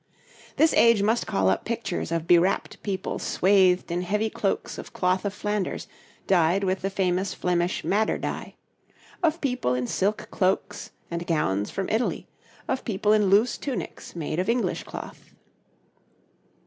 This age must call up pictures of bewrapped people swathed in heavy cloaks of cloth of Flanders dyed with the famous Flemish madder dye; of people in silk cloaks and gowns from Italy; of people in loose tunics made of English cloth.